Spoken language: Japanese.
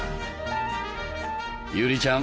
祐里ちゃん